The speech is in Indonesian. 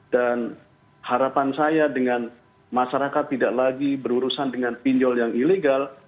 dan harapan saya dengan masyarakat tidak lagi berurusan dengan pinjol yang ilegal